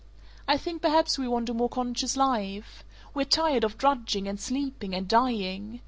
I think perhaps we want a more conscious life. We're tired of drudging and sleeping and dying.